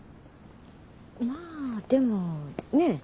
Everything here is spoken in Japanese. まあでもね。